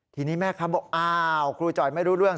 ทีนี้แม่ค้าบอกอ้าวครูจ่อยไม่รู้เรื่อง